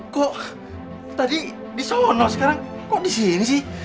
kok tadi disono sekarang kok disini sih